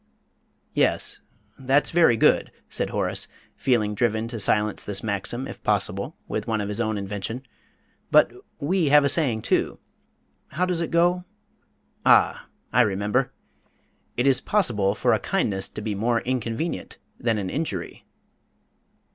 '" "Yes, that's very good," said Horace, feeling driven to silence this maxim, if possible, with one of his own invention. "But we have a saying too how does it go? Ah, I remember. 'It is possible for a kindness to be more inconvenient than an injury.'"